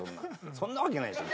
そんなわけないでしょ。